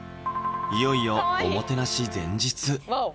いよいよおもてなし前日ワオ！